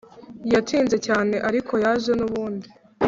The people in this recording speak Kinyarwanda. yatinze cyane ariko yaje nubundi.